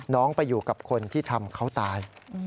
ไปอยู่กับคนที่ทำเขาตาย